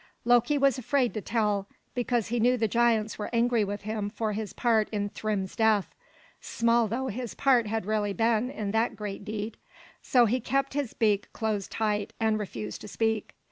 Loki was afraid to tell, because he knew the giants were angry with him for his part in Thrym's death, small though his part had really been in that great deed. So he kept his beak closed tight, and refused to speak.